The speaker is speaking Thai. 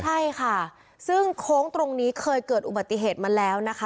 ใช่ค่ะซึ่งโค้งตรงนี้เคยเกิดอุบัติเหตุมาแล้วนะคะ